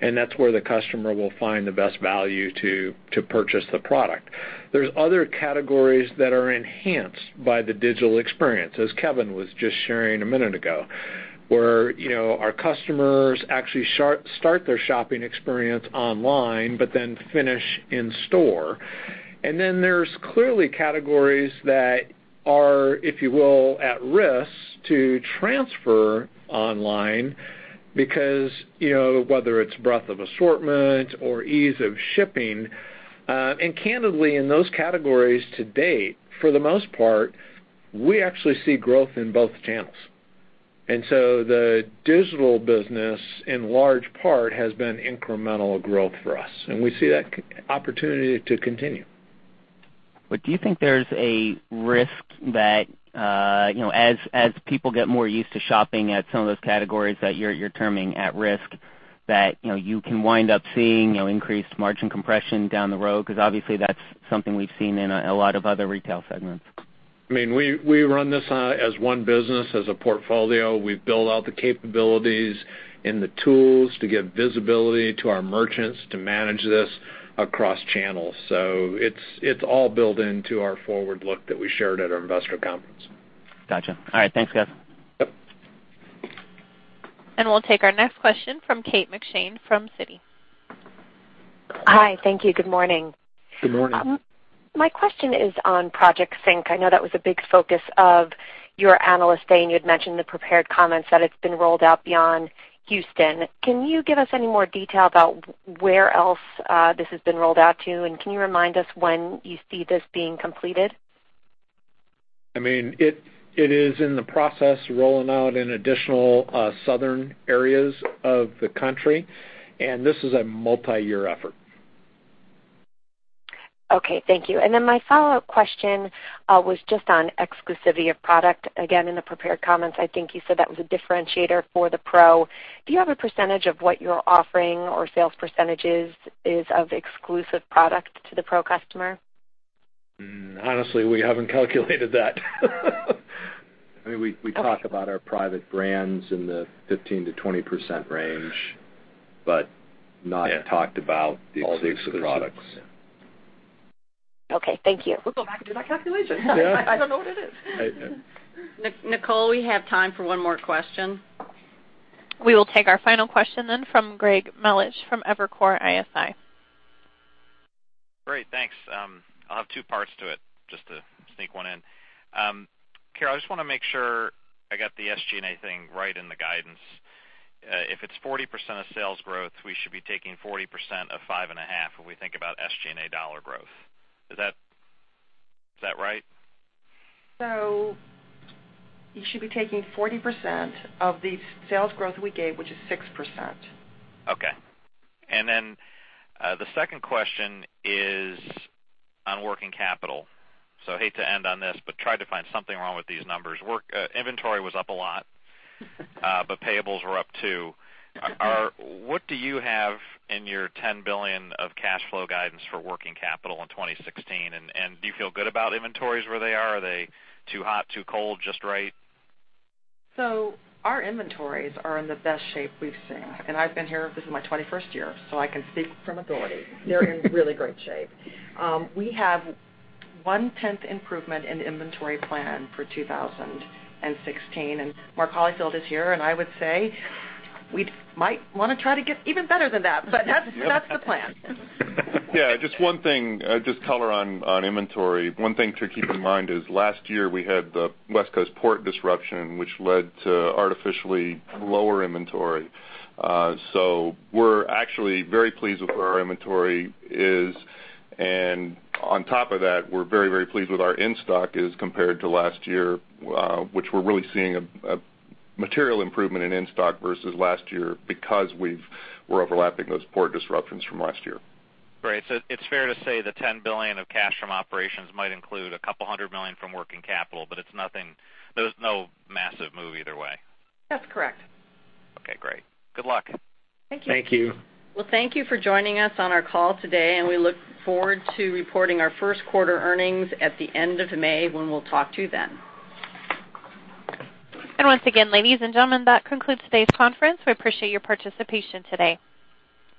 and that's where the customer will find the best value to purchase the product. There's other categories that are enhanced by the digital experience, as Kevin was just sharing a minute ago, where our customers actually start their shopping experience online but then finish in store. There's clearly categories that are, if you will, at risk to transfer online because whether it's breadth of assortment or ease of shipping. Candidly, in those categories to date, for the most part, we actually see growth in both channels. The digital business, in large part, has been incremental growth for us, and we see that opportunity to continue. Do you think there's a risk that as people get more used to shopping at some of those categories that you're terming at risk, that you can wind up seeing increased margin compression down the road? Because obviously that's something we've seen in a lot of other retail segments. We run this as one business, as a portfolio. We build out the capabilities and the tools to give visibility to our merchants to manage this across channels. It's all built into our forward look that we shared at our investor conference. Got you. All right. Thanks, guys. Yep. We'll take our next question from Kate McShane from Citi. Hi. Thank you. Good morning. Good morning. My question is on Project Sync. I know that was a big focus of your Analyst Day, and you had mentioned the prepared comments that it's been rolled out beyond Houston. Can you give us any more detail about where else this has been rolled out to, and can you remind us when you see this being completed? It is in the process rolling out in additional southern areas of the country, and this is a multi-year effort. Okay. Thank you. My follow-up question was just on exclusivity of product. Again, in the prepared comments, I think you said that was a differentiator for the pro. Do you have a percentage of what you're offering or sales percentages is of exclusive product to the pro customer? Honestly, we haven't calculated that. We talk about our private brands in the 15%-20% range, not talked about the exclusive products. Okay, thank you. We'll go back and do that calculation. Yeah. I don't know what it is. I know. Nicole, we have time for one more question. We will take our final question from Greg Melich from Evercore ISI. Great. Thanks. I'll have two parts to it just to sneak one in. Carol, I just want to make sure I got the SG&A thing right in the guidance. If it's 40% of sales growth, we should be taking 40% of 5.5 when we think about SG&A dollar growth. Is that right? You should be taking 40% of the sales growth we gave, which is 6%. Okay. The second question is on working capital. Hate to end on this, but try to find something wrong with these numbers. Inventory was up a lot, but payables were up, too. What do you have in your $10 billion of cash flow guidance for working capital in 2016? Do you feel good about inventories where they are? Are they too hot, too cold, just right? Our inventories are in the best shape we've seen. I've been here, this is my 21st year, I can speak from authority. They're in really great shape. We have one-tenth improvement in the inventory plan for 2016. Mark Holifield is here, I would say we might want to try to get even better than that. That's the plan. Yeah, just one thing, just color on inventory. One thing to keep in mind is last year we had the West Coast port disruption, which led to artificially lower inventory. We're actually very pleased with where our inventory is. On top of that, we're very pleased with our in-stock as compared to last year, which we're really seeing a material improvement in in-stock versus last year because we're overlapping those port disruptions from last year. Right. It's fair to say the $10 billion of cash from operations might include a couple hundred million from working capital, there's no massive move either way. That's correct. Okay, great. Good luck. Thank you. Thank you. Well, thank you for joining us on our call today. We look forward to reporting our first quarter earnings at the end of May when we'll talk to you then. Once again, ladies and gentlemen, that concludes today's conference. We appreciate your participation today.